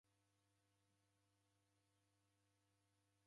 Waw'ada kikomba